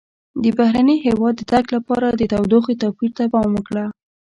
د بهرني هېواد د تګ لپاره د تودوخې توپیر ته پام وکړه.